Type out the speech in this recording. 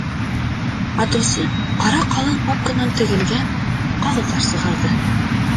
- Һатыусы ҡара ҡалын папканан тегелгән ҡағыҙҙар сығарҙы.